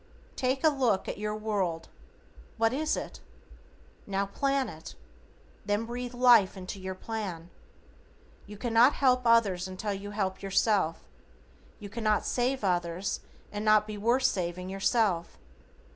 Take a look at your world, what is it? Now plan it, then breathe life into your plan. You cannot help others until you help yourself. You cannot save others and not be worth saving yourself.